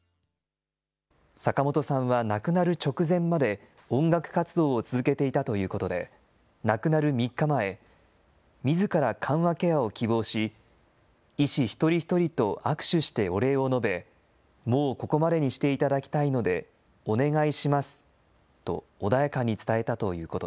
坂本さんは亡くなる直前まで、音楽活動を続けていたということで、亡くなる３日前、みずから緩和ケアを希望し、医師一人一人と握手してお礼を述べ、もうここまでにしていただきたいのでお願いしますと、穏やかに伝えたということ